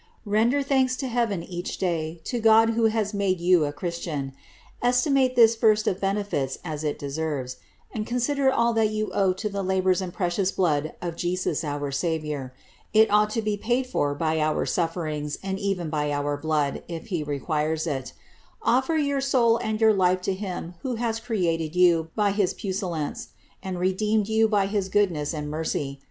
Render thanks to heaven each day, to God who has made you a Chris tian ; estimate this first of benefits as it deserves, and consider all that you owe to the labours and precious blood of Jesus our Saviour ; it ought to be paid for by our suiferings and even by our blood, if he requires it Offer your soul and your life to him who has created you by his puissance, and redeemed you by his goodness and mercy.